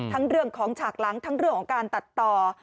เรื่องของฉากหลังทั้งเรื่องของการตัดต่อ